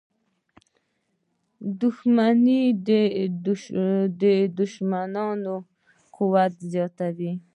• دښمني د دوښمن قوت زیاتوي.